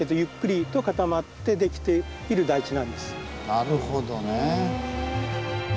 なるほどね。